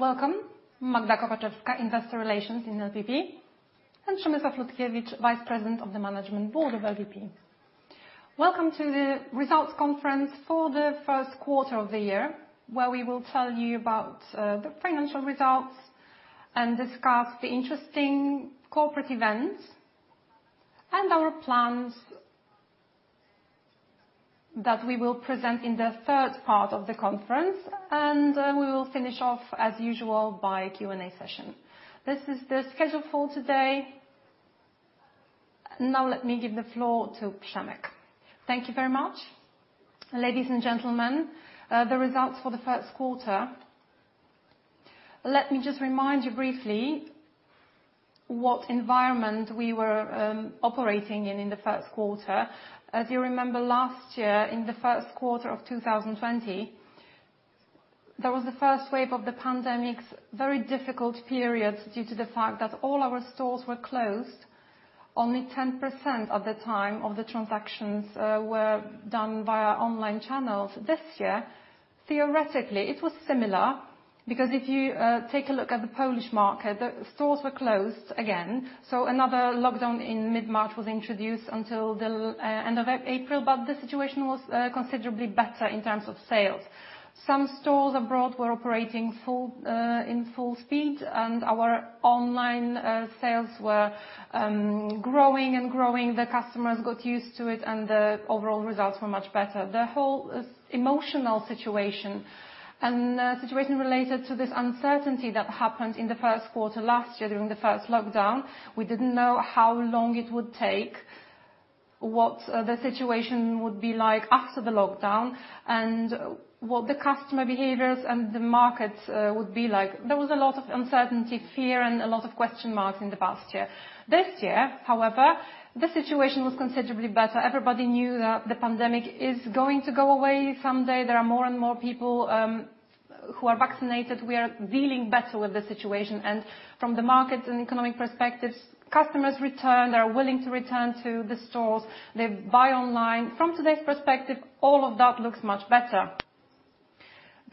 Welcome. Magdalena Kopaczewska, Investor Relations in LPP, and Przemysław Lutkiewicz, Vice President of the Management Board of LPP. Welcome to the Results Conference for the First quarter of the Year, where we will tell you about the financial results and discuss the interesting corporate events and our plans that we will present in the third part of the conference, and we will finish off as usual by Q&A session. This is the schedule for today. Let me give the floor to Przemek. Thank you very much. Ladies and gentlemen, the results for the first quarter. Let me just remind you briefly what environment we were operating in in the first quarter. As you remember last year in the first quarter of 2020, there was the first wave of the pandemic, very difficult period due to the fact that all our stores were closed. Only 10% of the time of the transactions were done via online channels. This year, theoretically, it was similar because if you take a look at the Polish market, the stores were closed again, so another lockdown in mid-March was introduced until the end of April, but the situation was considerably better in terms of sales. Some stores abroad were operating in full speed, and our online sales were growing and growing. The customers got used to it and the overall results were much better. The whole emotional situation and the situation related to this uncertainty that happened in the first quarter last year during the first lockdown, we didn't know how long it would take, what the situation would be like after the lockdown, and what the customer behaviors and the markets would be like. There was a lot of uncertainties here and a lot of question marks in the past year. This year, however, the situation was considerably better. Everybody knew that the pandemic is going to go away someday. There are more and more people who are vaccinated. We are dealing better with the situation and from the market and economic perspectives, customers return. They're willing to return to the stores. They buy online. From today's perspective, all of that looks much better.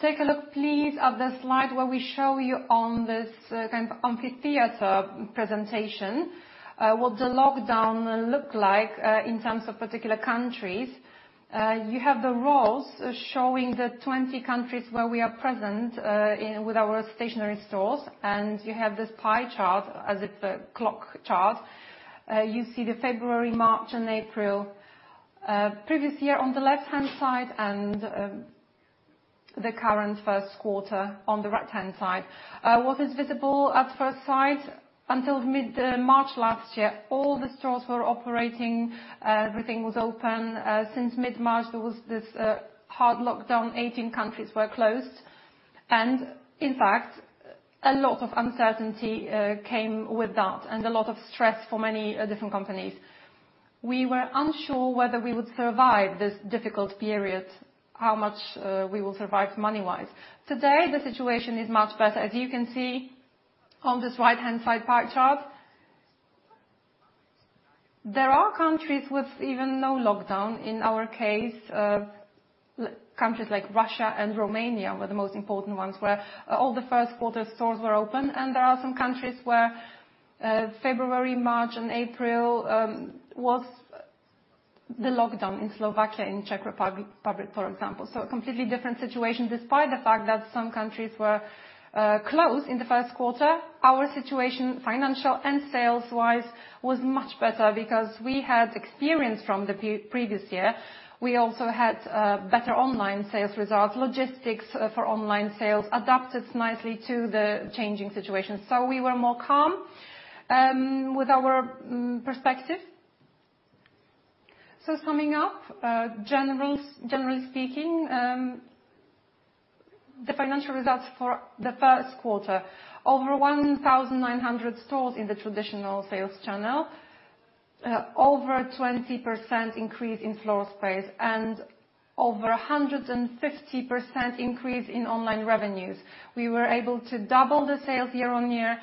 Take a look, please, at the slide where we show you on this kind of amphitheater presentation, what the lockdown looked like, in terms of particular countries. You have the rows showing the 20 countries where we are present with our stationary stores, and you have this pie chart as if a clock chart. You see the February, March, and April previous year on the left-hand side and the current first quarter on the right-hand side. What is visible at first sight, until mid-March last year, all the stores were operating. Everything was open. Since mid-March, there was this hard lockdown, 18 countries were closed. In fact, a lot of uncertainty came with that and a lot of stress for many different companies. We were unsure whether we would survive this difficult period, how much we will survive money-wise. Today, the situation is much better. As you can see on this right-hand side pie chart, there are countries with even no lockdown. In our case, countries like Russia and Romania were the most important ones where all the first quarter stores were open. There are some countries where February, March, and April, was the lockdown in Slovakia and Czech Republic, for example. A completely different situation despite the fact that some countries were closed in the first quarter, our situation, financial and sales-wise, was much better because we had experience from the previous year. We also had better online sales results. Logistics for online sales adapted nicely to the changing situation. We were more calm with our perspective. Summing up, generally speaking, the financial results for the first quarter, over 1,900 stores in the traditional sales channel, over 20% increase in floor space and over 150% increase in online revenues. We were able to double the sales year-on-year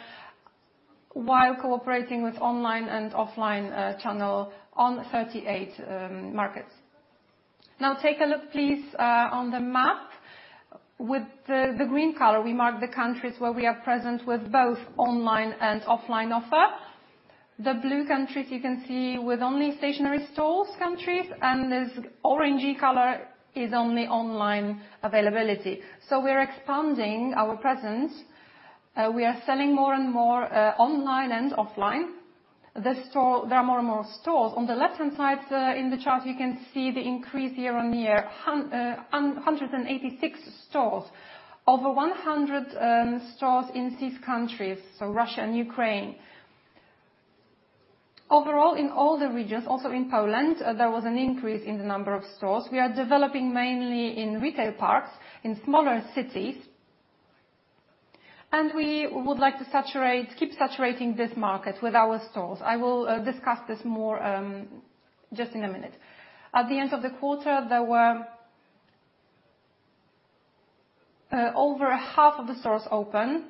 while cooperating with online and offline channel on 38 markets. Take a look, please, on the map with the green color, we mark the countries where we are present with both online and offline offer. The blue countries you can see with only stationary stores countries, and this orangey color is only online availability. We are expanding our presence. We are selling more and more online and offline. There are more and more stores. On the left-hand side there in the chart, you can see the increase year-on-year, 186 stores. Over 100 stores in these countries, so Russia and Ukraine. Overall, in all the regions, also in Poland, there was an increase in the number of stores. We are developing mainly in retail parks in smaller cities, and we would like to keep saturating this market with our stores. I will discuss this more just in a minute. At the end of the quarter, there were over half of the stores open.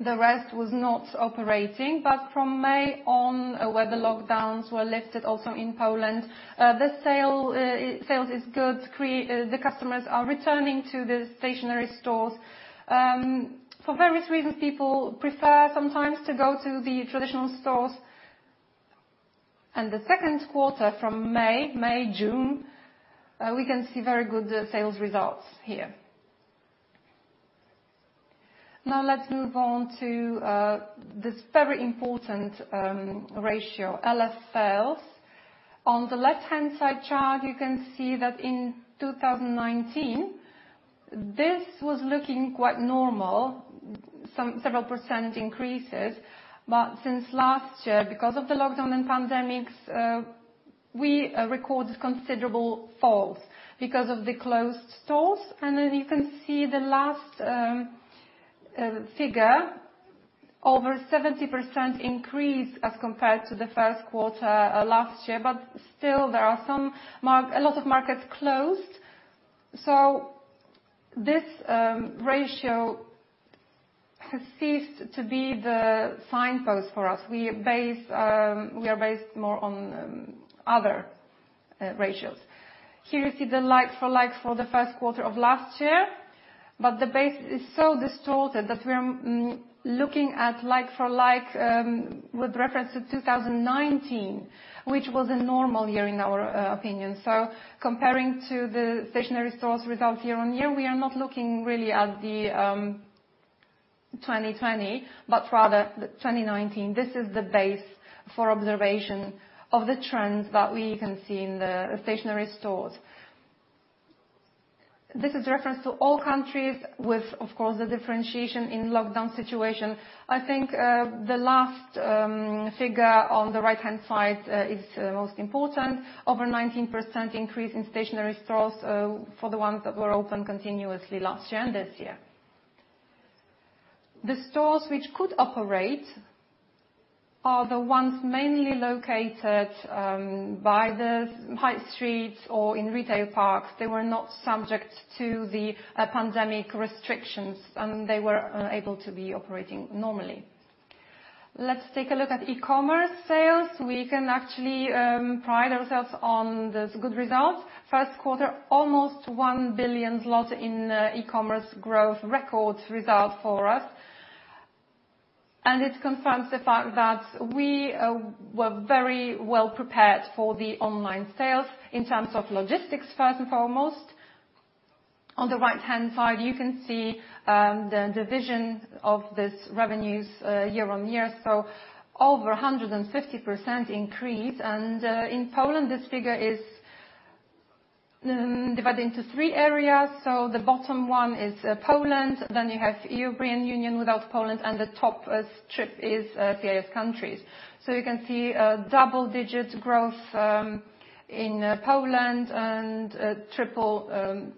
The rest was not operating, but from May on, where the lockdowns were lifted also in Poland, the sales is good. The customers are returning to the stationary stores. For various reasons, people prefer sometimes to go to the traditional stores. The second quarter from May, June, we can see very good sales results here. Now let's move on to this very important ratio, LFL sales. On the left-hand side chart, you can see that in 2019, this was looking quite normal, several percent increases. Since last year, because of the lockdown and pandemics, we recorded considerable falls because of the closed stores. You can see the last figure, over 70% increase as compared to the first quarter last year. Still, there are a lot of markets closed. This ratio has ceased to be the signpost for us. We are based more on other ratios. Here we see the like-for-like for the first quarter of last year, but the base is so distorted that we're looking at like-for-like, with reference to 2019, which was a normal year in our opinion. Comparing to the stationary stores without year-on-year, we are not looking really at the 2020, but rather 2019. This is the base for observation of the trends that we can see in the stationary stores. This is reference to all countries with, of course, the differentiation in lockdown situation. I think, the last figure on the right-hand side is most important. Over 19% increase in stationary stores for the ones that were open continuously last year and this year. The stores which could operate are the ones mainly located by the high streets or in retail parks. They were not subject to the pandemic restrictions, and they were able to be operating normally. Let's take a look at e-commerce sales. We can actually pride ourselves on these good results. First quarter, almost 1 billion in e-commerce growth records result for us. It confirms the fact that we were very well prepared for the online sales in terms of logistics, first and foremost. On the right-hand side, you can see the division of these revenues year-over-year. Over 150% increase. In Poland, this figure is divided into three areas. The bottom one is Poland, then you have European Union without Poland, and the top strip is CIS countries. You can see a double-digit growth in Poland and triple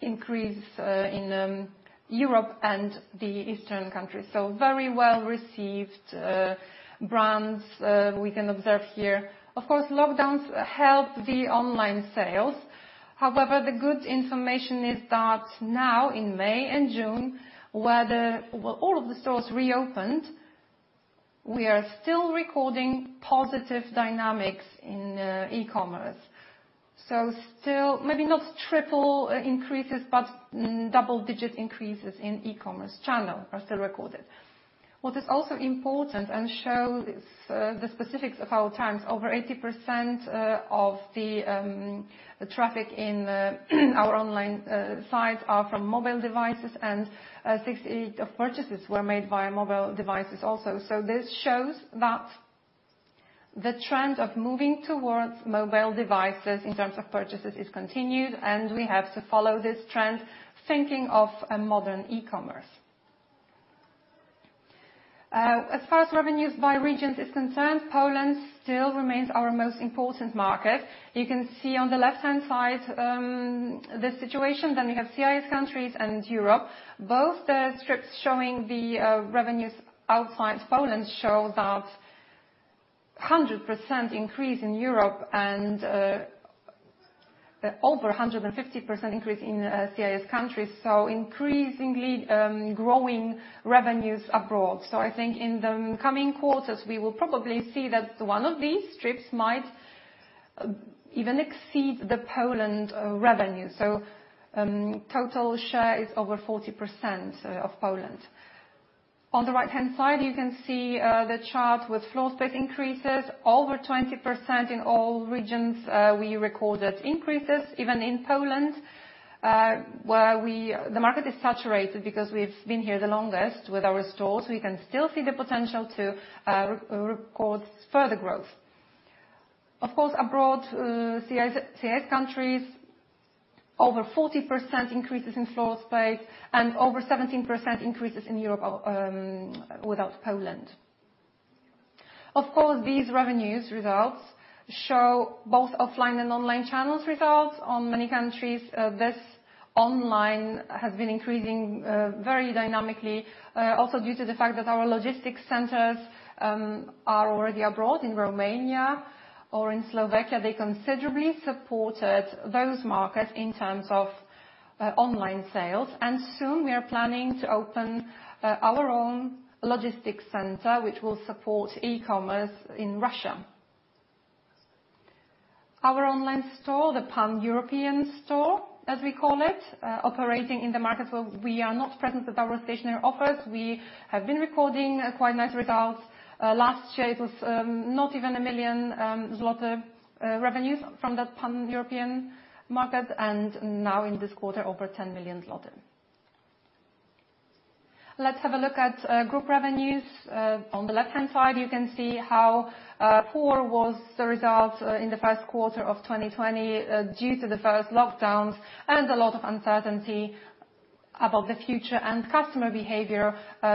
increase in Europe and the Eastern countries. Very well-received brands we can observe here. Of course, lockdowns help the online sales. The good information is that now in May and June, where all of the stores reopened, we are still recording positive dynamics in e-commerce. Still maybe not triple increases, but double-digit increases in e-commerce channel are still recorded. What is also important and shows the specifics of our times, over 80% of the traffic in our online site are from mobile devices, and 60% of purchases were made via mobile devices also. This shows that the trend of moving towards mobile devices in terms of purchases is continued, and we have to follow this trend, thinking of a modern e-commerce. As far as revenues by region is concerned, Poland still remains our most important market. You can see on the left-hand side, the situation. We have CIS countries and Europe. Both the strips showing the revenues outside Poland show that 100% increase in Europe and over 150% increase in CIS countries, increasingly growing revenues abroad. I think in the coming quarters, we will probably see that one of these strips might even exceed the Poland revenue. Total share is over 40% of Poland. On the right-hand side, you can see the chart with floor space increases over 20% in all regions we recorded increases even in Poland, where the market is saturated because we've been here the longest with our stores. We can still see the potential to record further growth. Of course, abroad, CIS countries, over 40% increases in floor space and over 17% increases in Europe without Poland. Of course, these revenues results show both offline and online channels results on many countries. This online have been increasing very dynamically, also due to the fact that our logistics centers are already abroad in Romania or in Slovakia. They considerably supported those markets in terms of online sales. Soon we are planning to open our own logistics center, which will support e-commerce in Russia. Our online store, the pan-European store, as we call it, operating in the markets where we are not present with our stationary offers, we have been recording quite bad results. Last year, it was not even 1 million zloty revenues from the pan-European market. Now in this quarter, over 10 million zloty. Let's have a look at group revenues. On the left-hand side, you can see how poor was the result in the 1st quarter of 2020 due to the first lockdowns and a lot of uncertainty about the future and customer behavior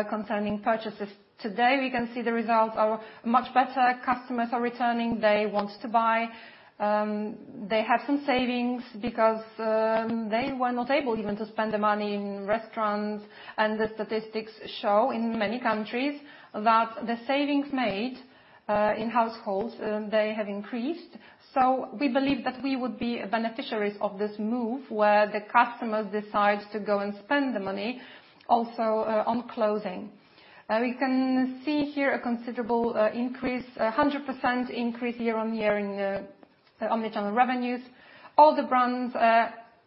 concerning purchases. Today, we can see the results are much better. Customers are returning. They want to buy. They have some savings because they were not able even to spend the money in restaurants, and the statistics show in many countries that the savings made in households, they have increased. We believe that we would be beneficiaries of this move where the customers decide to go and spend the money also on clothing. You can see here a considerable increase, 100% increase year-on-year in the omnichannel revenues. All the brands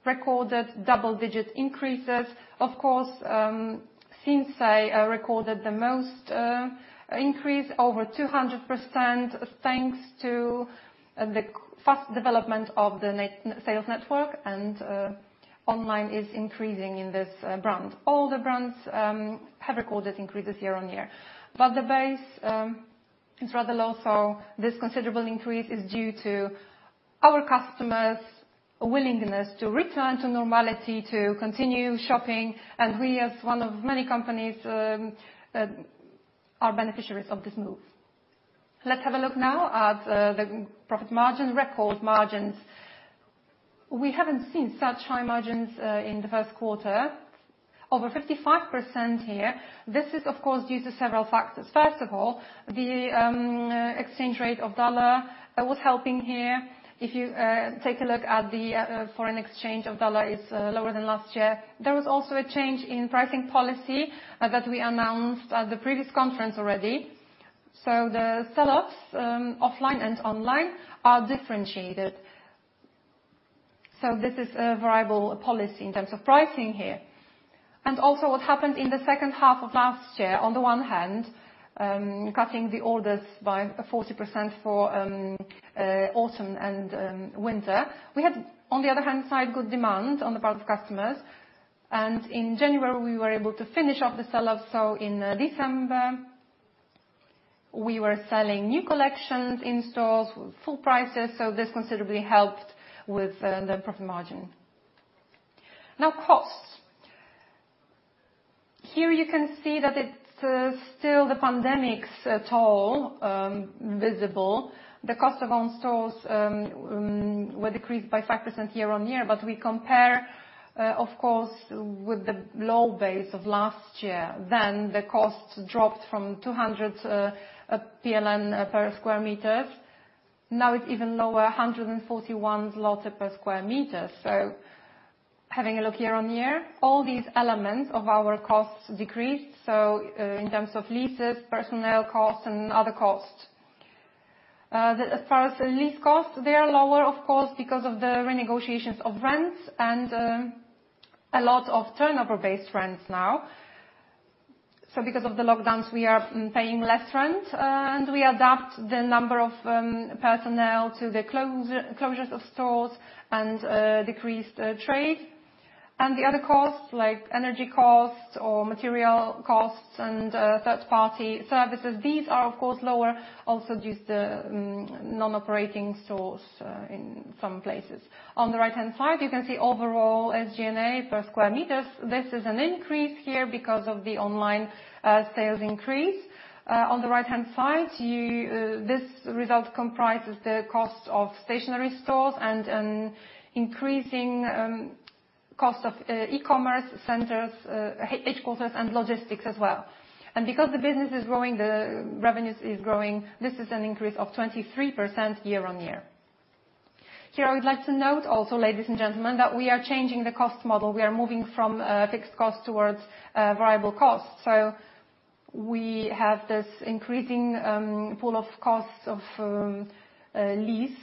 recorded double-digit increases. Of course, Sinsay recorded the most increase, over 200%, thanks to the fast development of the sales network and online is increasing in this brand. All the brands have recorded increases year-on-year. The base is rather low, this considerable increase is due to our customers' willingness to return to normality to continue shopping, and we, as one of many companies, are beneficiaries of this move. Let's have a look now at the profit margin, record margins. We haven't seen such high margins in the first quarter, over 55% here. This is, of course, due to several factors. First of all, the exchange rate of dollar was helping here. If you take a look at the foreign exchange of dollar is lower than last year. There was also a change in pricing policy that we announced at the previous conference already. The sell-offs, offline and online, are differentiated. This is a viable policy in terms of pricing here. What happened in the second half of last year, on the one hand, cutting the orders by 40% for autumn and winter. We have, on the other hand, good demand on the part of customers, and in January, we were able to finish off the sell-off. In December, we were selling new collections in stores, full prices, this considerably helped with the profit margin. Now, costs. Here you can see that it's still the pandemic's toll visible. The cost of own stores were decreased by 5% year-on-year, we compare, of course, with the low base of last year. The cost dropped from 200 PLN per sq m. It's even lower, 141 per sq m. Having a look year-on-year, all these elements of our costs decreased, in terms of leases, personnel costs, and other costs. As far as the lease costs, they are lower, of course, because of the renegotiations of rents and a lot of turnover-based rents now. Because of the lockdowns, we are paying less rent, and we adapt the number of personnel to the closures of stores and decreased trade. The other costs, like energy costs or material costs and third-party services, these are, of course, lower, also due to non-operating stores in some places. On the right-hand side, you can see overall SG&A per square meters. This is an increase here because of the online sales increase. On the right-hand side, this result comprises the cost of stationary stores and increasing cost of e-commerce centers, headquarters, and logistics as well. Because the business is growing, the revenues is growing, this is an increase of 23% year-on-year. Here, I'd like to note also, ladies and gentlemen, that we are changing the cost model. We are moving from fixed cost towards variable cost. We have this increasing pool of costs of lease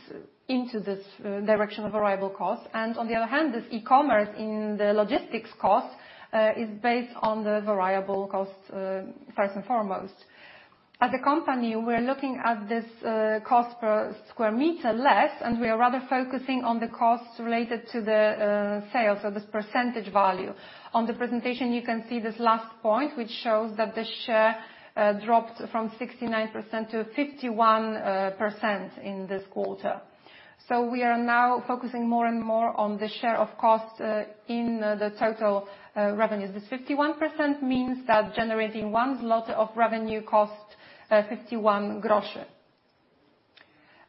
into this direction of variable cost. On the other hand, this e-commerce in the logistics cost is based on the variable cost first and foremost. As a company, we're looking at this cost per square meter less, and we are rather focusing on the cost related to the sale, so this percentage value. On the presentation, you can see this last point, which shows that the share dropped from 69%-51% in this quarter. We are now focusing more and more on the share of cost in the total revenues. This 51% means that generating 1 zloty of revenue costs 0.51.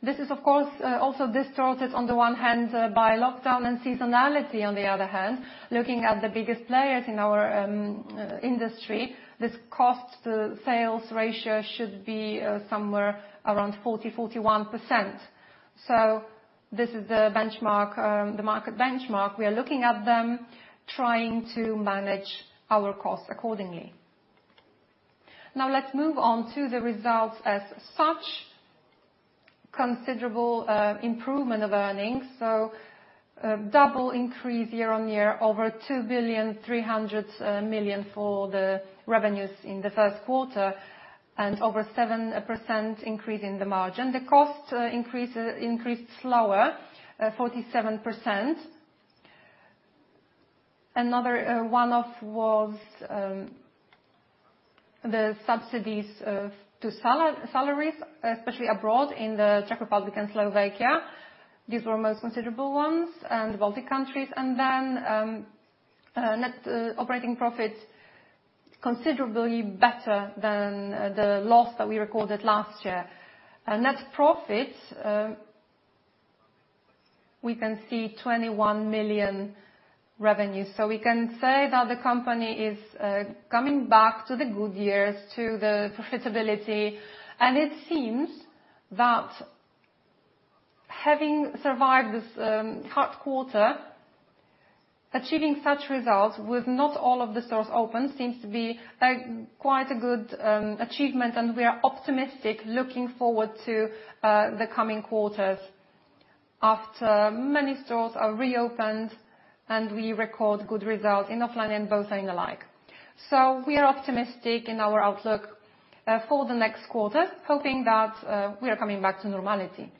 This is, of course, also distorted on the one hand by lockdown and seasonality, on the other hand. Looking at the biggest players in our industry, this cost-to-sales ratio should be somewhere around 40%-41%. This is the market benchmark. We are looking at them, trying to manage our cost accordingly. Let's move on to the results as such. Considerable improvement of earnings. Double increase year-on-year, over 2.3 billion for the revenues in the first quarter, and over 7% increase in the margin. The costs increased slower, at 47%. Another one-off was the subsidies to salaries, especially abroad in the Czech Republic and Slovakia. These were most considerable ones, and the Baltic countries. Net operating profits, considerably better than the loss that we recorded last year. Net profit, we can see 21 million revenues. We can say that the company is coming back to the good years, to the profitability, and it seems that having survived this tough quarter, achieving such results with not all of the stores open seems to be quite a good achievement, and we are optimistic looking forward to the coming quarters after many stores are reopened and we record good results in offline and both online alike. We are optimistic in our outlook for the next quarter, hoping that we are coming back to normality.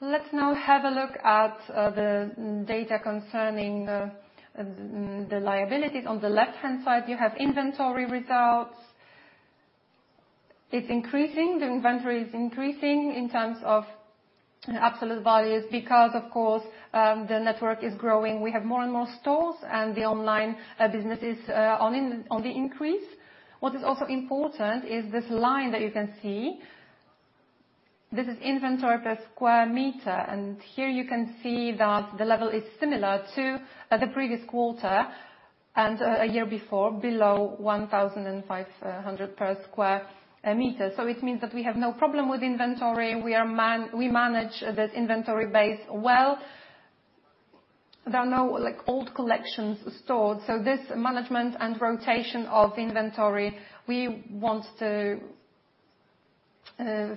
Let's now have a look at the data concerning the liabilities. On the left-hand side, you have inventory results. It's increasing. The inventory is increasing in terms of absolute values because, of course, the network is growing. We have more and more stores and the online business is on the increase. What is also important is this line that you can see. This is inventory per square meter, here you can see that the level is similar to the previous quarter and a year before, below 1,500 per sq m. It means that we have no problem with inventory, and we manage this inventory base well. There are no old collections stored. This management and rotation of inventory, we want to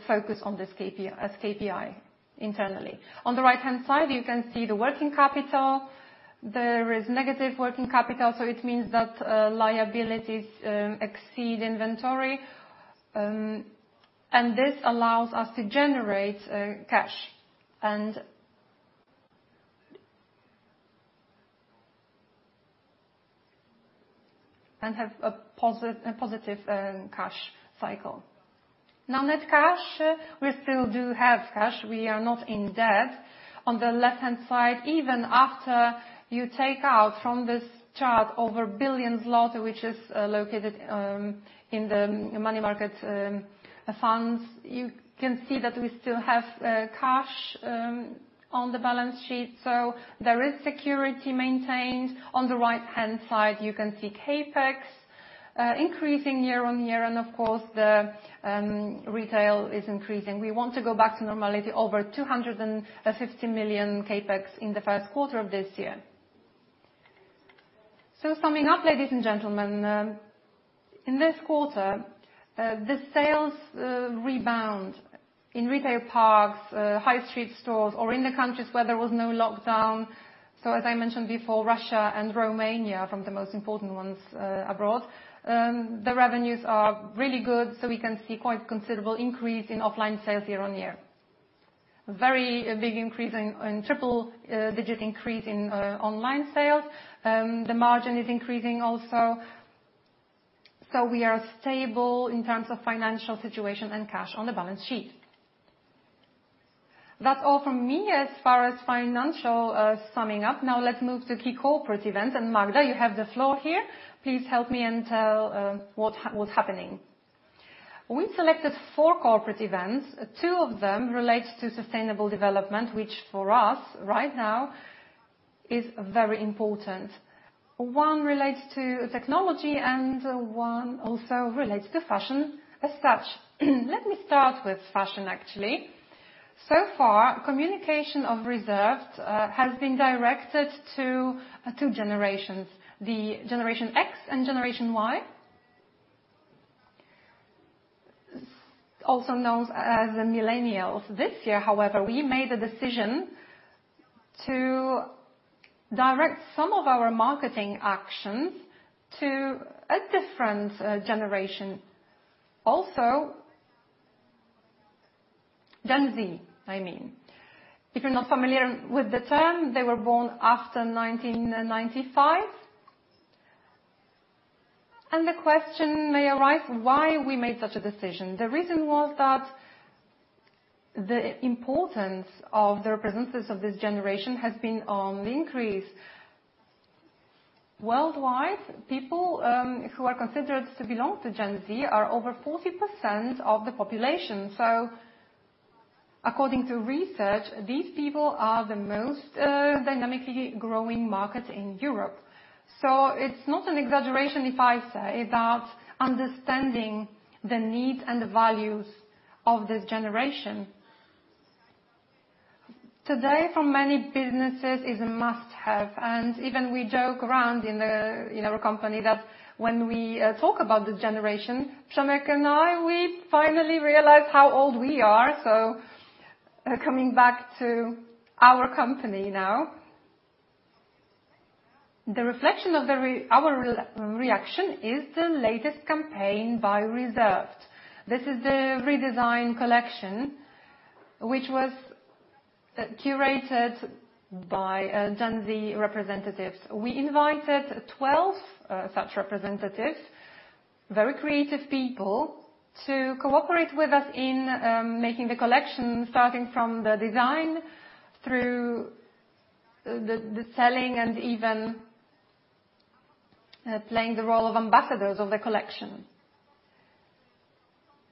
focus on this KPI internally. On the right-hand side, you can see the working capital. There is negative working capital, it means that liabilities exceed inventory. This allows us to generate cash and have a positive cash cycle. Now, net cash, we still do have cash. We are not in debt. On the left-hand side, even after you take out from this chart over 1 billion, which is allocated in the money market funds, you can see that we still have cash on the balance sheet. There is security maintained. On the right-hand side, you can see CapEx increasing year-on-year, and of course, the retail is increasing. We want to go back to normality, over 250 million CapEx in the first quarter of this year. Summing up, ladies and gentlemen, in this quarter, the sales rebound in retail parks, high street stores, or in the countries where there was no lockdown. As I mentioned before, Russia and Romania are some of the most important ones abroad. The revenues are really good, so we can see quite considerable increase in offline sales year-on-year. Very big triple digit increase in online sales. The margin is increasing also. We are stable in terms of financial situation and cash on the balance sheet. That's all from me as far as financial summing up. Let's move to key corporate events. Magda, you have the floor here. Please help me and tell what's happening. We selected four corporate events. Two of them relate to sustainable development, which for us right now is very important. one relates to technology and one also relates to fashion as such. Let me start with fashion, actually. So far, communication of Reserved has been directed to two generations, the Generation X and Generation Y, also known as the millennials. This year, however, we made a decision to direct some of our marketing actions to a different generation also, Gen Z, I mean. If you're not familiar with the term, they were born after 1995. The question may arise why we made such a decision. The reason was that the importance of the representatives of this generation has been on the increase. Worldwide, people who are considered to belong to Gen Z are over 40% of the population. According to research, these people are the most dynamically growing market in Europe. It's not an exaggeration if I say that understanding the needs and the values of this generation today. For many businesses is a must-have, and even we joke around in our company that when we talk about this generation, Przemek and I, we finally realize how old we are. Coming back to our company now. The reflection of our reaction is the latest campaign by Reserved. This is a redesigned collection which was curated by Gen Z representatives. We invited 12 such representatives, very creative people, to cooperate with us in making the collection, starting from the design through the selling and even playing the role of ambassadors of the collection.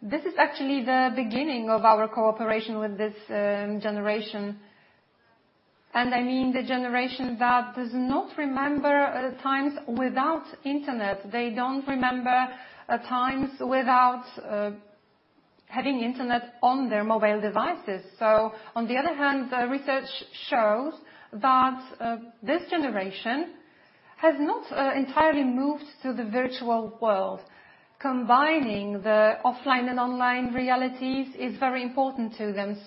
This is actually the beginning of our cooperation with this generation. I mean the generation that does not remember times without internet. They don't remember times without having internet on their mobile devices. On the other hand, the research shows that this generation has not entirely moved to the virtual world. Combining the offline and online realities is very important to them.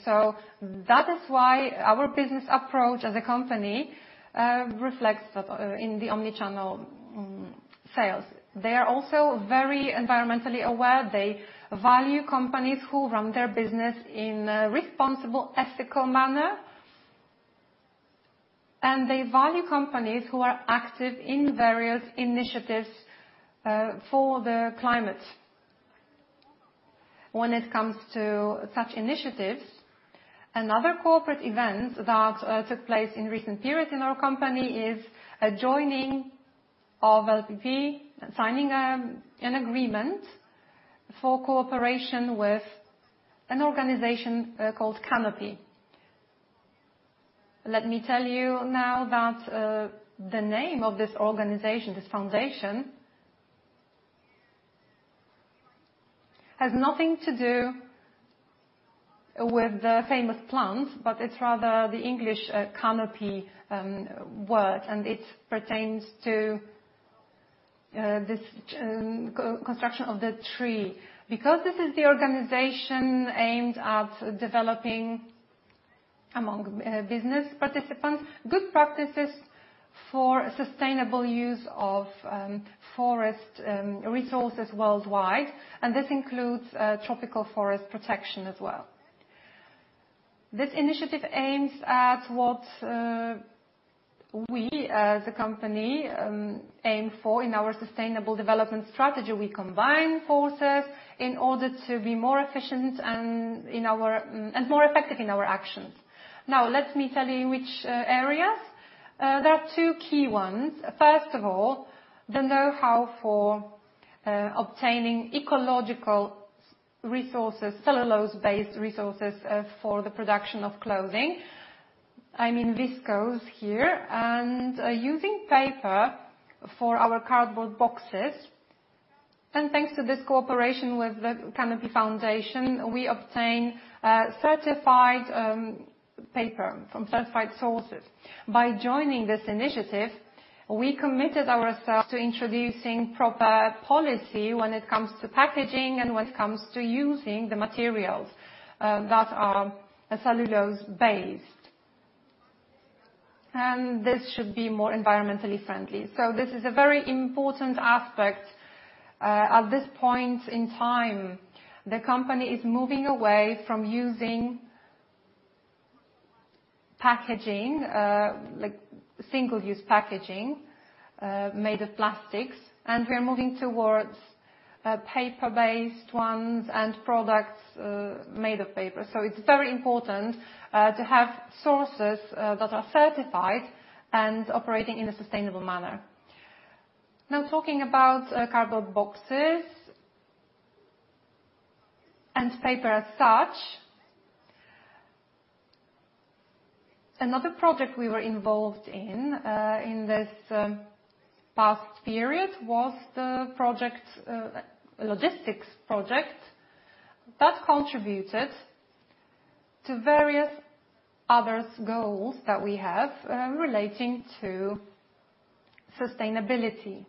That is why our business approach as a company reflects that in the omnichannel sales. They are also very environmentally aware. They value companies who run their business in a responsible, ethical manner, and they value companies who are active in various initiatives for the climate. When it comes to such initiatives, another corporate event that took place in recent years in our company is joining of LPP, signing an agreement for cooperation with an organization called Canopy. Let me tell you now that the name of this organization, this foundation, has nothing to do with the famous plants, but it's rather the English canopy word, and it pertains to this construction of the tree. This is the organization aimed at developing, among business participants, good practices for sustainable use of forest resources worldwide, and this includes tropical forest protection as well. This initiative aims at what we as a company aim for in our sustainable development strategy. We combine forces in order to be more efficient and more effective in our actions. Let me tell you which areas. There are two key ones. First of all, the know-how for obtaining ecological resources, cellulose-based resources for the production of clothing. I mean, this goes here. Using paper for our cardboard boxes, and thanks to this cooperation with the Canopy, we obtain certified paper from certified sources. By joining this initiative, we committed ourselves to introducing proper policy when it comes to packaging and when it comes to using the materials that are cellulose-based. This should be more environmentally friendly. This is a very important aspect at this point in time. The company is moving away from using single-use packaging made of plastics, and we are moving towards paper-based ones and products made of paper. It's very important to have sources that are certified and operating in a sustainable manner. Now talking about cardboard boxes and paper as such. Another project we were involved in in this past period was the logistics project that contributed to various other goals that we have relating to sustainability.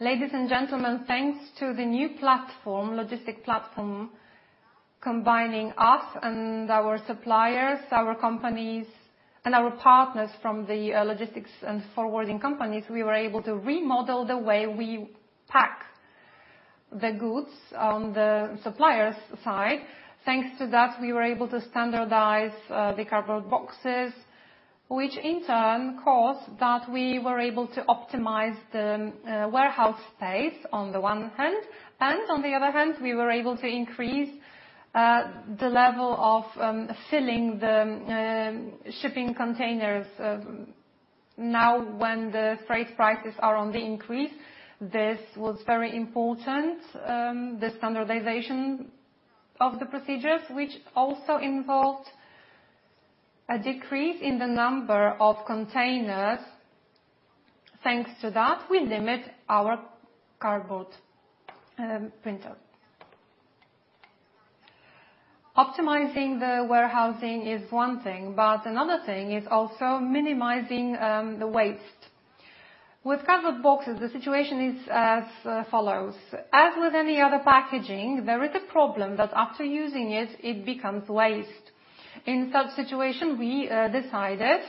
Ladies and gentlemen, thanks to the new logistics platform combining us and our suppliers, our companies, and our partners from the logistics and forwarding companies, we were able to remodel the way we pack the goods on the suppliers' side. Thanks to that, we were able to standardize the cardboard boxes, which in turn caused that we were able to optimize the warehouse space on the one hand, and on the other hand, we were able to increase the level of filling the shipping containers. Now, when the freight prices are on the increase, this was very important, the standardization of the procedures, which also involved a decrease in the number of containers. Thanks to that, we limit our cardboard footprint. Optimizing the warehousing is one thing, but another thing is also minimizing the waste. With cardboard boxes, the situation is as follows: as with any other packaging, there is a problem that after using it becomes waste. In such situation, we decided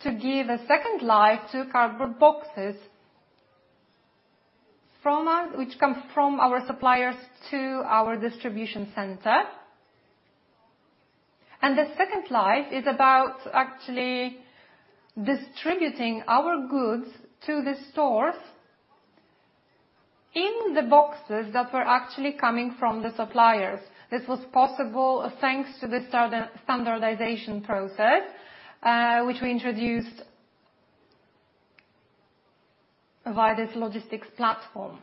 to give a second life to cardboard boxes, which comes from our suppliers to our distribution center. The second life is about actually distributing our goods to the stores in the boxes that were actually coming from the suppliers. This was possible, thanks to the standardization process, which we introduced via this logistics platform.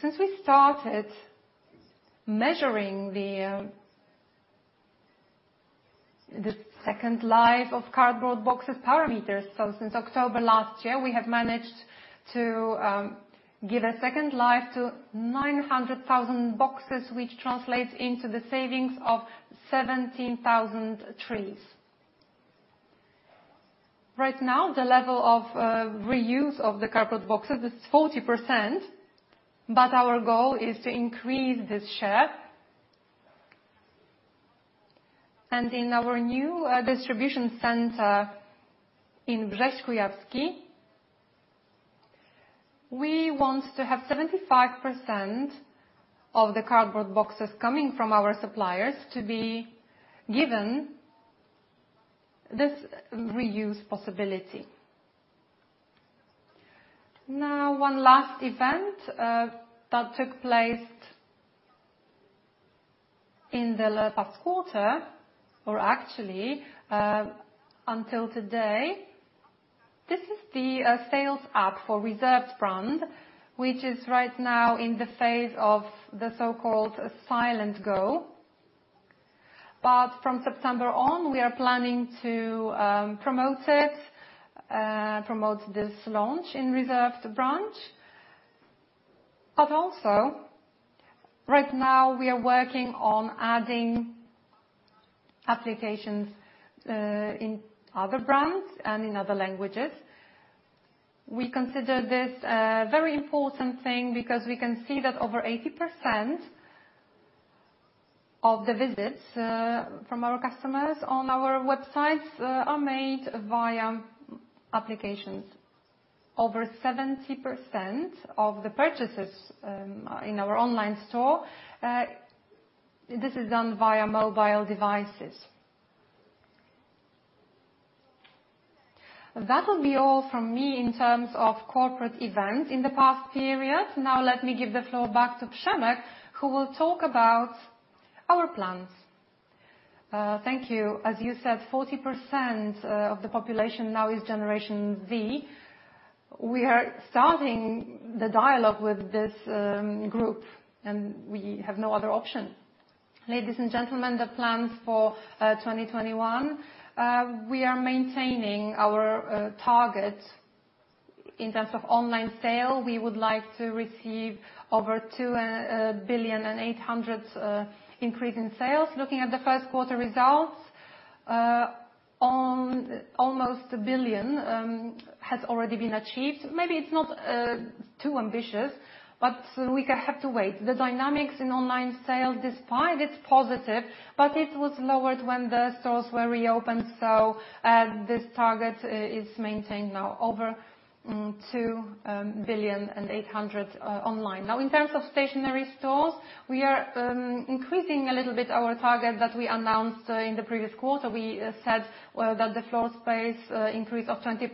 Since we started measuring the second life of cardboard boxes parameters, so since October last year, we have managed to give a second life to 900,000 boxes, which translates into the savings of 17,000 trees. Right now, the level of reuse of the cardboard boxes is 40%, but our goal is to increase this share. In our new distribution center in Brześć Kujawski, we want to have 75% of the cardboard boxes coming from our suppliers to be given this reuse possibility. Now, one last event that took place in the last quarter, or actually, until today. This is the sales app for Reserved brand, which is right now in the phase of the so-called silent go. From September on, we are planning to promote it, promote this launch in Reserved brand. Also right now, we are working on adding applications in other brands and in other languages. We consider this a very important thing because we can see that over 80% of the visits from our customers on our websites are made via applications. Over 70% of the purchases in our online store, this is done via mobile devices. That will be all from me in terms of corporate events in the past period. Now let me give the floor back to Przemek, who will talk about our plans. Thank you. As you said, 40% of the population now is Gen Z. We are starting the dialogue with this group and we have no other option. Ladies and gentlemen, the plans for 2021. We are maintaining our target in terms of online sale. We would like to receive over 2 billion and 800 million increase in sales. Looking at the first quarter results, almost 1 billion has already been achieved. Maybe it's not too ambitious, but we have to wait. The dynamics in online sales, despite it's positive, it was lowered when the stores were reopened, this target is maintained now over 2.8 billion online. In terms of stationary stores, we are increasing a little bit our target that we announced in the previous quarter. We said that the floor space increase of 20%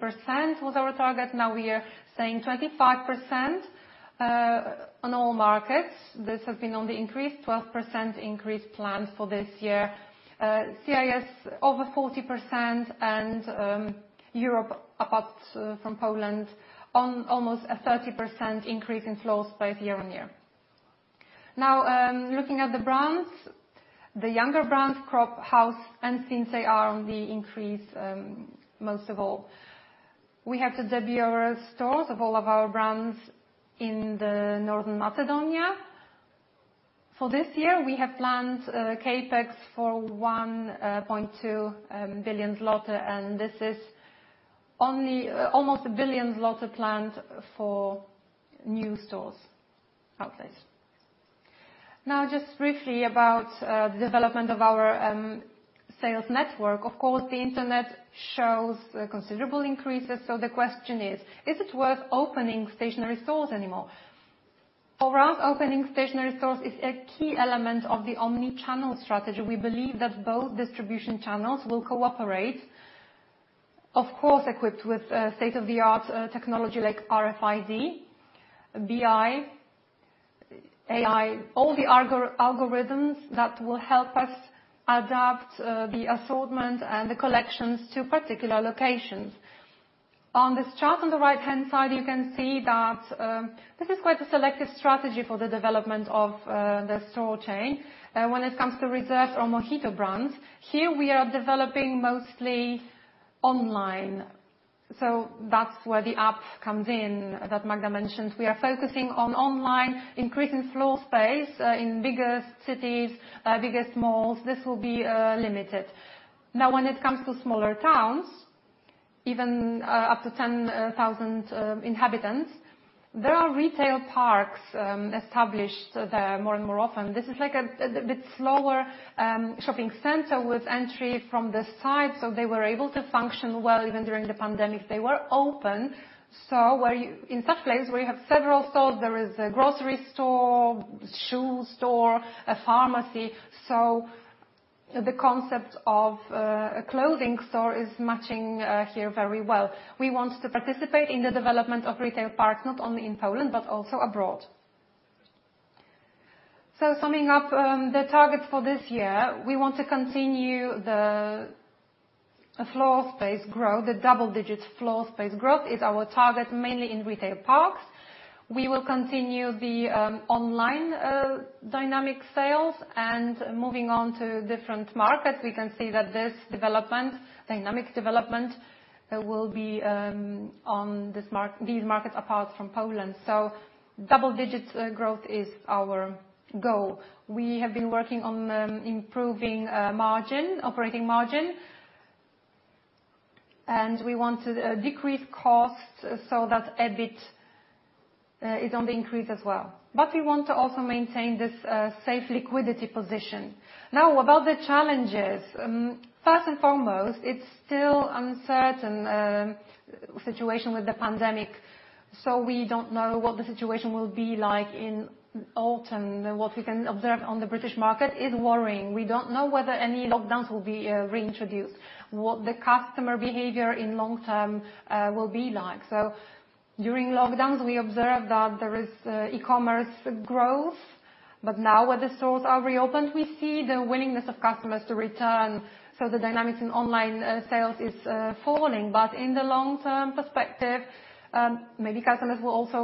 was our target. We are saying 25% on all markets. This has been on the increase, 12% increase plans for this year. CIS over 40% and Europe apart from Poland, almost a 30% increase in floor space year-on-year. Looking at the brands, the younger brands, Cropp, House, and Sinsay are the increase most of all. We have to debut our stores of all of our brands in North Macedonia. For this year, we have planned CapEx for 1.2 billion, and this is almost 1 billion planned for new stores outlays. Now, just briefly about the development of our sales network. Of course, the internet shows considerable increases. The question is: is it worth opening stationary stores anymore? For us, opening stationary stores is a key element of the omnichannel strategy. We believe that both distribution channels will cooperate. Of course, equipped with state-of-the-art technology like RFID, BI, AI, all the algorithms that will help us adapt the assortment and the collections to particular locations. On this chart on the right-hand side, you can see that this is quite a selective strategy for the development of the store chain. When it comes to Reserved or MOHITO brands, here we are developing mostly online. That's where the app comes in that Magda mentioned. We are focusing on online, increasing floor space in bigger cities, bigger malls. This will be limited. When it comes to smaller towns, even up to 10,000 inhabitants, there are retail parks established there more and more often. This is like a bit smaller shopping center with entry from the side, they were able to function well even during the pandemic, they were open. In such place, we have several stores. There is a grocery store, shoe store, a pharmacy. The concept of a clothing store is matching here very well. We want to participate in the development of retail parks, not only in Poland but also abroad. Summing up, the target for this year, we want to continue the floor space growth. The double-digit floor space growth is our target, mainly in retail parks. We will continue the online dynamic sales and moving on to different markets. We can see that this development, dynamic development, will be on these markets apart from Poland. Double-digit growth is our goal. We have been working on improving margin, operating margin, and we want to decrease costs so that EBIT is on the increase as well. We want to also maintain this safe liquidity position. Now, about the challenges, first and foremost, it's still uncertain situation with the pandemic, so we don't know what the situation will be like in autumn. What we can observe on the British market is worrying. We don't know whether any lockdowns will be reintroduced, what the customer behavior in long term will be like. During lockdowns, we observed that there is e-commerce growth, but now that the stores are reopened, we see the willingness of customers to return. The dynamics in online sales is falling. In the long-term perspective, maybe customers will also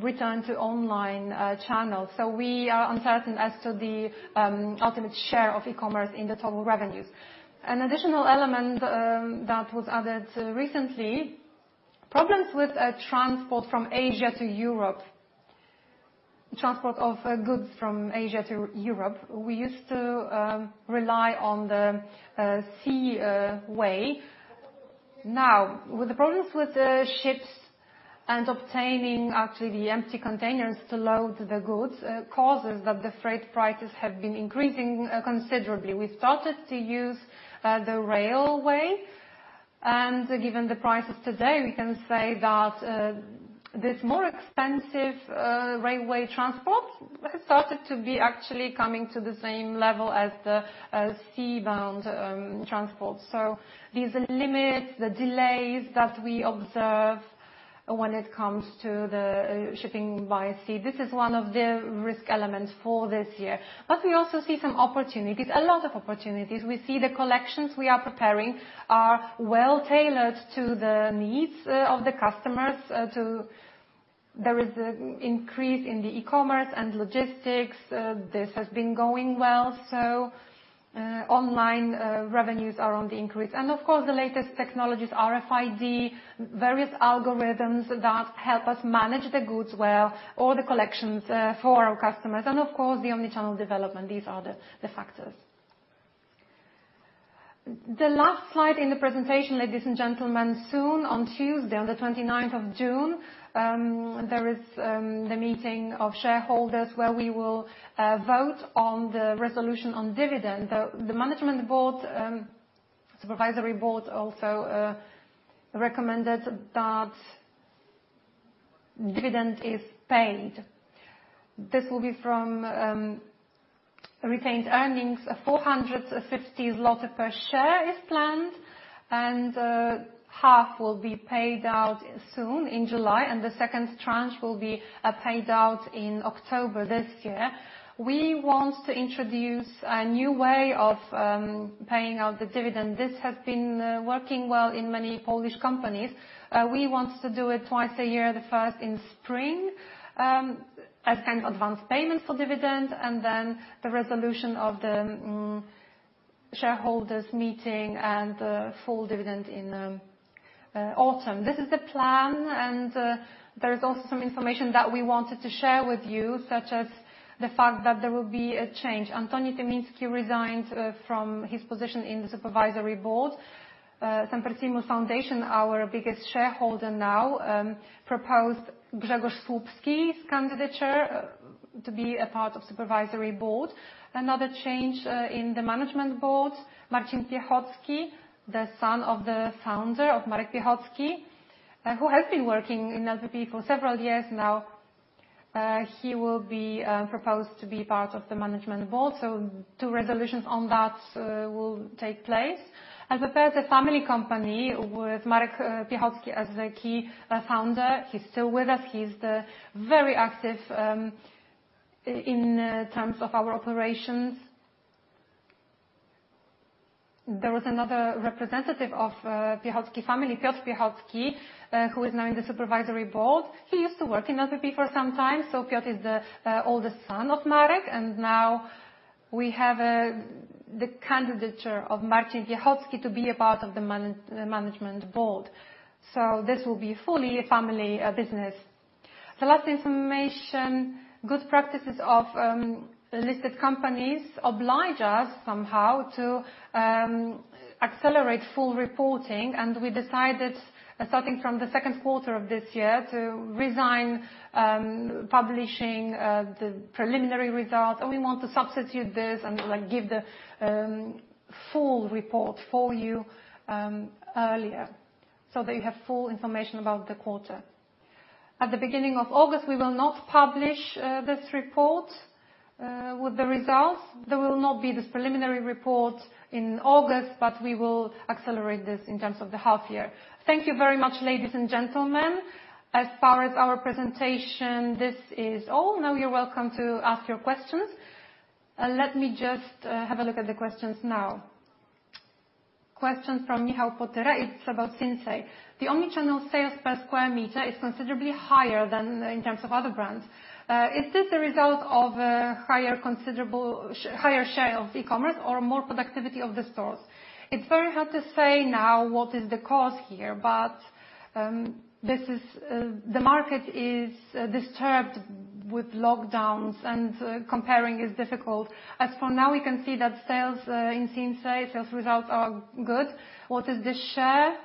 return to online channels. We are uncertain as to the ultimate share of e-commerce in the total revenues. An additional element that was added recently, problems with transport from Asia to Europe. Transport of goods from Asia to Europe. We used to rely on the sea way. Now, with the problems with the ships and obtaining actually empty containers to load the goods, causes that the freight prices have been increasing considerably. We started to use the railway, and given the prices today, we can say that this more expensive railway transport started to be actually coming to the same level as the sea-bound transport. These limits, the delays that we observe when it comes to the shipping by sea, this is one of the risk elements for this year. We also see some opportunities, a lot of opportunities. We see the collections we are preparing are well-tailored to the needs of the customers. There is an increase in the e-commerce and logistics. This has been going well, online revenues are on the increase. Of course, the latest technologies, RFID, various algorithms that help us manage the goods well or the collections for our customers and, of course, the omnichannel development. These are the factors. The last slide in the presentation, ladies and gentlemen, soon on Tuesday, on the 29th of June, there is the meeting of shareholders where we will vote on the resolution on dividend. The Management Board and Supervisory Board also recommended that dividend is paid. This will be from retained earnings of 450 zloty per share is planned. Half will be paid out soon in July, and the second tranche will be paid out in October this year. We want to introduce a new way of paying out the dividend. This has been working well in many Polish companies. We want to do it twice a year. The first in spring as an advance payment for dividend, then the resolution of the shareholders' meeting and the full dividend in autumn. This is the plan. There's also some information that we wanted to share with you, such as the fact that there will be a change. Antoni Tymiński resigns from his position in the Supervisory Board. Semper Simul Foundation, our biggest shareholder now, proposed Grzegorz Słupski's candidature to be a part of Supervisory Board. Another change in the management board, Marcin Piechocki, the son of the founder of Marek Piechocki, who has been working in LPP for several years now. He will be proposed to be part of the management board, so two resolutions on that will take place. The LPP family company with Marek Piechocki as the key founder, he's still with us, he's very active in terms of our operations. There was another representative of Piechocki family, Piotr Piechocki, who is now in the Supervisory Board. He used to work in LPP for some time. Piotr is the oldest son of Marek, and now we have the candidature of Marcin Piechocki to be a part of the Management Board. This will be fully a family business. The last information, good practices of listed companies oblige us somehow to accelerate full reporting. We decided, starting from the second quarter of this year, to resign publishing the preliminary result, and we want to substitute this and give the full report for you earlier so that you have full information about the quarter. At the beginning of August, we will not publish this report with the results. There will not be this preliminary report in August, but we will accelerate this in terms of the half year. Thank you very much, ladies and gentlemen. As far as our presentation, this is all. Now you're welcome to ask your questions. Let me just have a look at the questions now. Question from Michal Potyra, it's about Sinsay. The omnichannel sales per square meter is considerably higher than in terms of other brands. Is this a result of a higher share of e-commerce or more productivity of the stores? It's very hard to say now what is the cause here, but the market is disturbed with lockdowns, and comparing is difficult. As for now, we can see that sales in Sinsay sales results are good. What is the share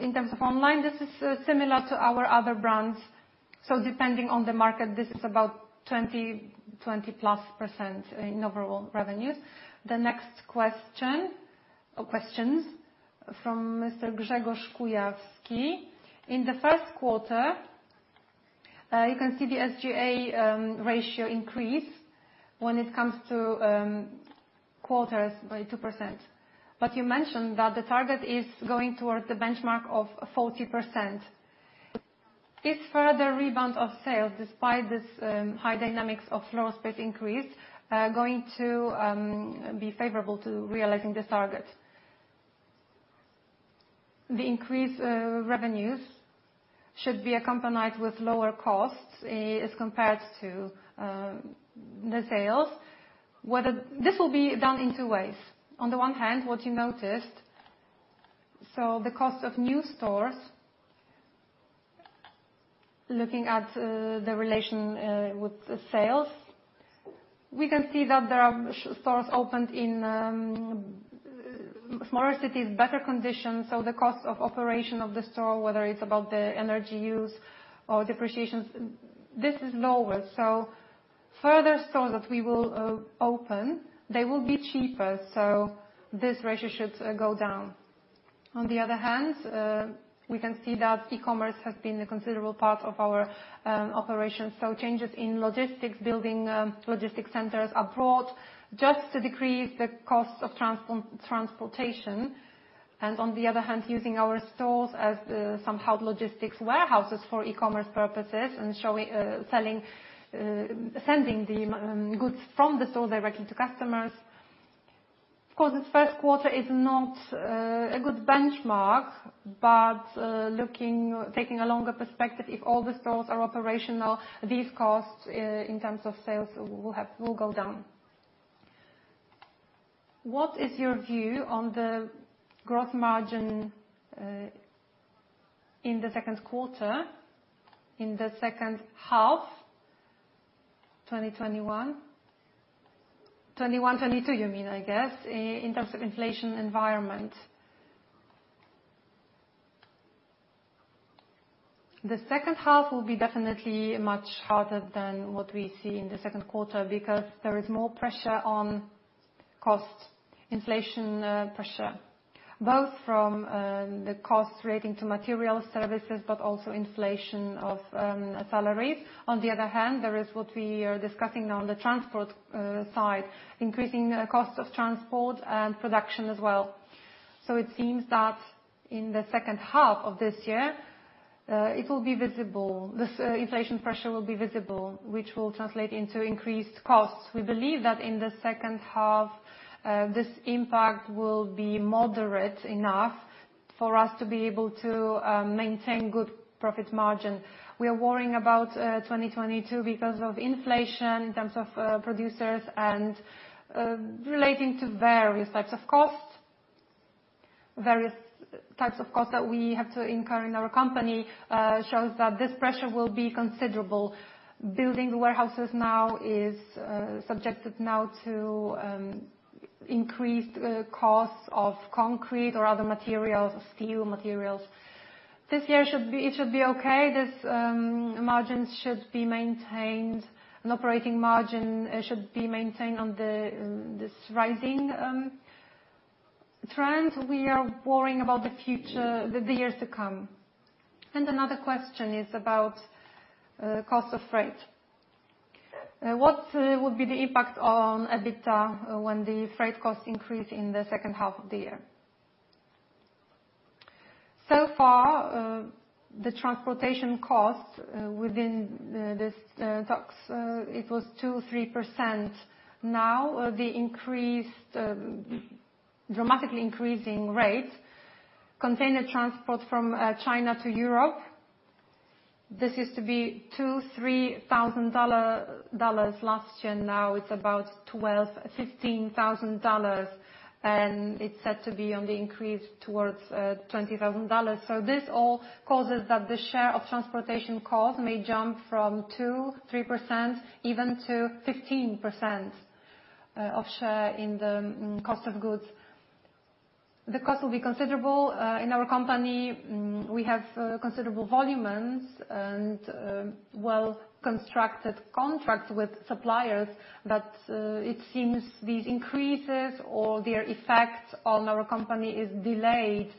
in terms of online? This is similar to our other brands, so depending on the market, this is about 20%+ in overall revenues. The next question from Mr. Grzegorz Kujawski. In the first quarter, you can see the SG&A ratio increase when it comes to quarters by 2%. You mentioned that the target is going towards the benchmark of 40%. Is further rebound of sales, despite this high dynamics of floor space increase, going to be favorable to realizing this target? The increased revenues should be accompanied with lower costs as compared to the sales. This will be done in two ways. On the one hand, what you noticed, so the cost of new stores, looking at the relation with the sales, we can see that there are stores opened in smaller cities, better conditions, so the cost of operation of the store, whether it's about the energy use or depreciations, this is lower. Further stores that we will open, they will be cheaper, so this ratio should go down. On the other hand, we can see that e-commerce has been a considerable part of our operations. Changes in logistics, building logistic centers abroad just to decrease the cost of transportation, and on the other hand, using our stores as somehow logistics warehouses for e-commerce purposes and sending the goods from the store directly to customers. Of course, this first quarter is not a good benchmark, but taking a longer perspective, if all the stores are operational, these costs in terms of sales will go down. What is your view on the gross margin in the second quarter, in the second half 2021? 2022, you mean, I guess, in terms of inflation environment. The second half will be definitely much harder than what we see in the second quarter because there is more pressure on cost, inflation pressure, both from the cost relating to material services, but also inflation of salaries. On the other hand, there is what we are discussing on the transport side, increasing cost of transport and production as well. It seems that in the second half of this year, it will be visible. This inflation pressure will be visible, which will translate into increased costs. We believe that in the second half, this impact will be moderate enough for us to be able to maintain good profit margin. We are worrying about 2022 because of inflation in terms of producers and relating to various types of costs. Various types of costs that we have to incur in our company shows that this pressure will be considerable. Building warehouses now is subjected now to increased costs of concrete or other materials, steel materials. This year it should be okay. These margins should be maintained. An operating margin should be maintained on this rising trends, we are worrying about the future, the years to come. Another question is about cost of freight. What would be the impact on EBITDA when the freight costs increase in the second half of the year? So far, the transportation cost within this, it was 2% or 3%. Now, the dramatically increasing rates, container transport from China to Europe, this used to be $2,000-$3,000 last year, now it's about $12,000-$15,000, and it's said to be on the increase towards $20,000. This all causes that the share of transportation cost may jump from 2%-3%, even to 15% of share in cost of goods. The cost will be considerable. In our company, we have considerable volumes and well-constructed contracts with suppliers, but it seems these increases or their effect on our company is delayed.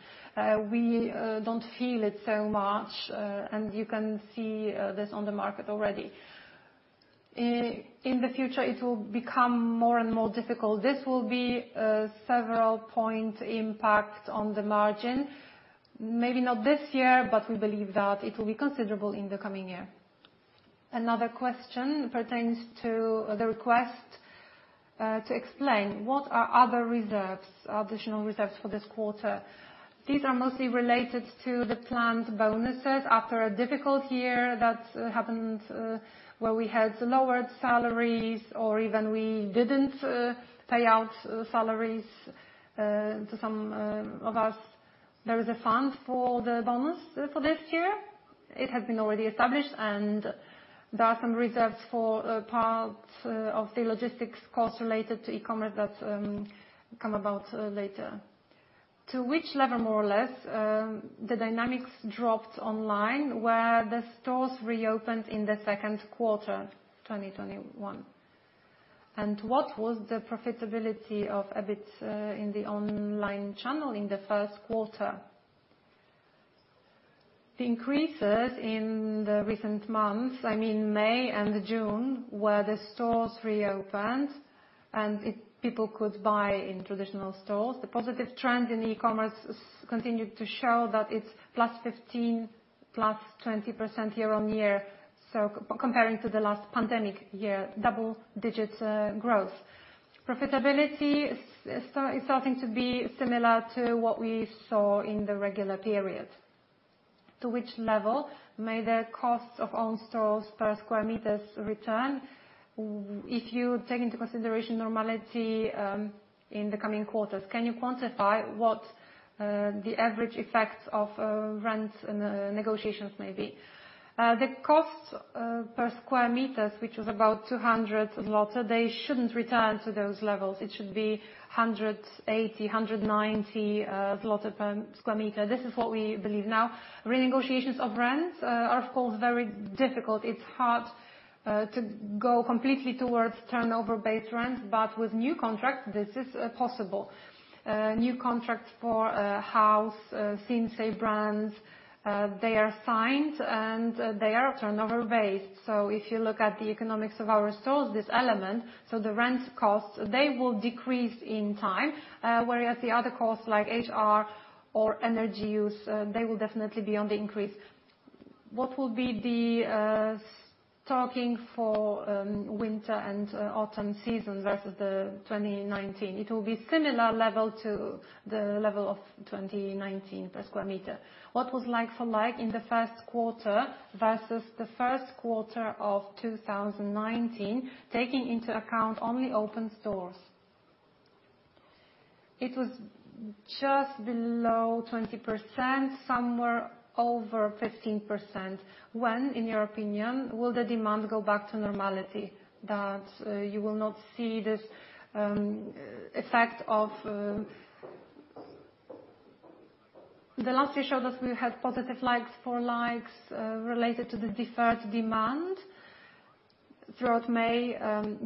We don't feel it so much, and you can see this on the market already. In the future, it will become more and more difficult. This will be a several-point impact on the margin. Maybe not this year, but we believe that it will be considerable in the coming year. Another question pertains to the request to explain what are other reserves, additional reserves for this quarter. These are mostly related to the planned bonuses after a difficult year that happened where we had lowered salaries or even we didn't pay out salaries to some of us. There is a fund for the bonus for this year. It has been already established and that and reserves for parts of the logistics costs related to e-commerce that come about later. To which level, more or less, the dynamics dropped online where the stores reopened in the second quarter 2021? What was the profitability of EBIT in the online channel in the 1st quarter? What were the increases in the recent months, I mean May and June, where the stores reopened and people could buy in traditional stores? The positive trend in e-commerce continued to show that it is +15%, +20% year-on-year, so comparing to the last pandemic year, double-digit growth. Profitability is starting to be similar to what we saw in the regular period. To which level may the cost of own stores per square meters return if you take into consideration normality in the coming quarters? Can you quantify what the average effects of rents and negotiations may be? The cost per square meters, which is about 200 zloty, they shouldn't return to those levels. It should be 180, 190 zloty per square meter. This is what we believe now. Renegotiations of rents are, of course, very difficult. It is hard to go completely towards turnover-based rent, but with new contracts, this is possible. New contracts for House, Sinsay brands, they are signed, and they are turnover-based. If you look at the economics of our stores, this element, so the rent cost, they will decrease in time, whereas the other costs like HR or energy use, they will definitely be on the increase. What will be the targeting for winter and autumn season versus the 2019? It will be similar level to the level of 2019 per square meter. What was like-for-like in the first quarter versus the first quarter of 2019, taking into account only open stores? It was just below 20%, somewhere over 15%. When, in your opinion, will the demand go back to normality, that you will not see this effect of the last few quarters? We had positive like-for-likes related to the deferred demand throughout May,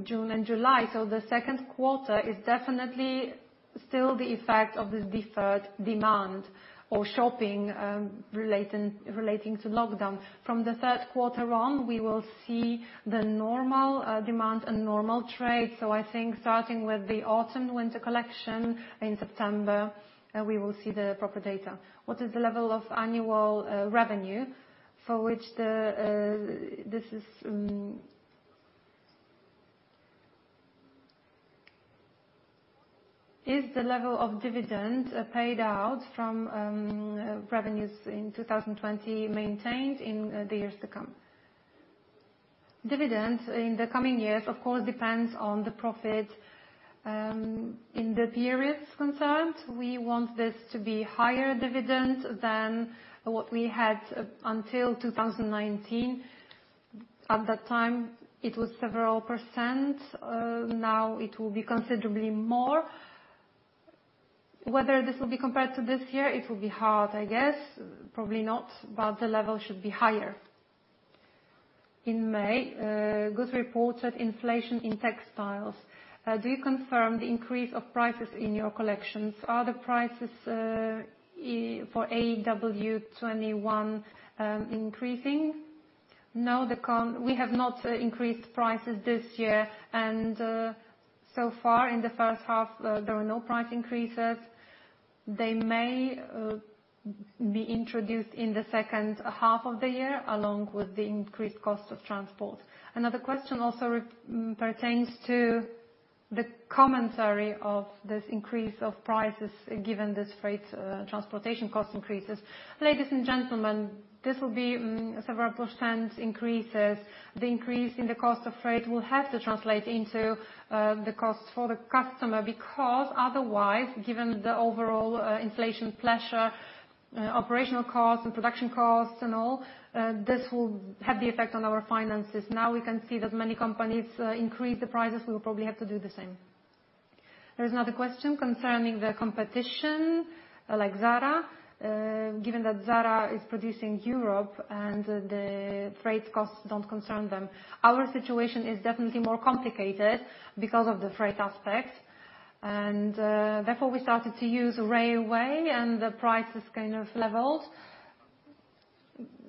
June, and July. The second quarter is definitely still the effect of this deferred demand or shopping relating to lockdown. From the third quarter on, we will see the normal demand and normal trade. I think starting with the autumn-winter collection in September, we will see the proper data. What is the level of annual revenue for which the level of dividends paid out from revenues in 2020 maintained in the years to come? Dividends in the coming years, of course, depends on the profit in the period concerned. We want this to be higher dividends than what we had until 2019. At that time, it was several percent. Now it will be considerably more. Whether this will be compared to this year, it will be hard, I guess. Probably not, the level should be higher. In May, GUS reported inflation in textiles. Do you confirm the increase of prices in your collections? Are the prices for AW 2021 increasing? No, we have not increased prices this year, and so far in the first half, there are no price increases. They may be introduced in the second half of the year along with the increased cost of transport. Another question also pertains to the commentary of this increase of prices given this freight transportation cost increases. Ladies and gentlemen, this will be several percent increases. The increase in the cost of freight will have to translate into the cost for the customer, because otherwise, given the overall inflation pressure, operational costs and production costs and all, this will have the effect on our finances. Now we can see that many companies increase the prices. We'll probably have to do the same. There's another question concerning the competition like Zara. Given that Zara is produced in Europe and the freight costs don't concern them, our situation is definitely more complicated because of the freight aspect, and therefore we started to use railway and the price is kind of levels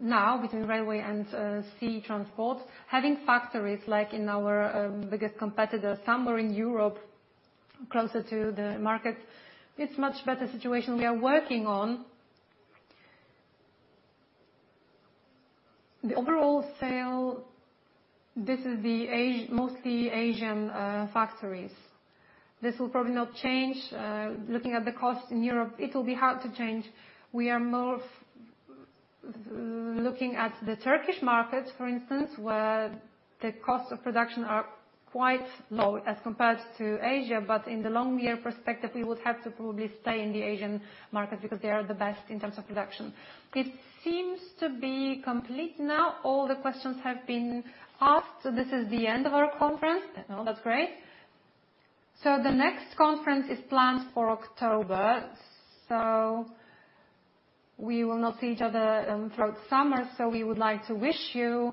now between railway and sea transport. Having factories like in our biggest competitor, Zara, in Europe, closer to the market, it's much better situation we are working on. The overall sale, this is mostly Asian factories. This will probably not change. Looking at the cost in Europe, it will be hard to change. We are more looking at the Turkish markets, for instance, where the cost of production are quite low as compared to Asia, but in the long-year perspective, we would have to probably stay in the Asian market because they are the best in terms of production. This seems to be complete now. All the questions have been asked. This is the end of our conference, and all is great. The next conference is planned for October. We will not see each other throughout summer. We would like to wish you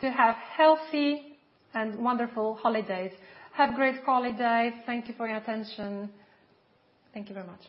to have healthy and wonderful holidays. Have great holidays. Thank you for your attention. Thank you very much.